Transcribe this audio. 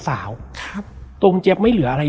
แล้วสักครั้งหนึ่งเขารู้สึกอึดอัดที่หน้าอก